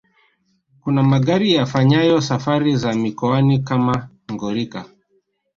Kuna magari yafanyayo safari za mikoani kama Ngorika